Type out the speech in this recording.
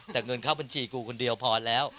แต่เงินเข้าบัญชีของคุณคุณเดียวพอแล้ว